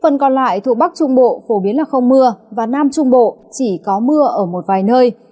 phần còn lại thuộc bắc trung bộ phổ biến là không mưa và nam trung bộ chỉ có mưa ở một vài nơi